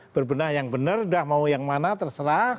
berbenah yang bener udah mau yang mana terserah